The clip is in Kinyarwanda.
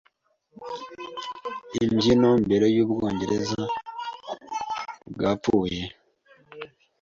Imbyino mbere yu Bwongereza bwapfuye